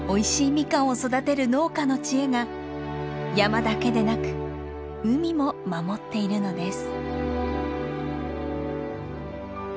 ミカンを育てる農家の知恵が山だけでなく海も守っているのです。